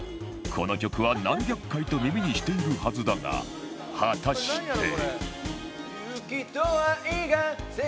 この曲は何百回と耳にしているはずだが果たして